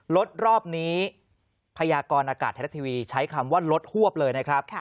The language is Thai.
รอบนี้พยากรอากาศไทยรัฐทีวีใช้คำว่าลดหวบเลยนะครับ